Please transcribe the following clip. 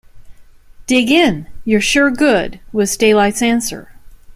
Dig in; you're sure good, was Daylight's answer.